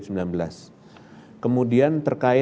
kemudian terkait dengan kesehatan yang terjadi